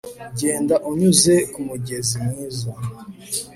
Genda unyuze kumugezi mwiza